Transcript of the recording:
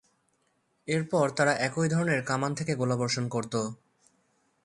এরপর তারা একই ধরনের কামান থেকে গোলাবর্ষণ করত।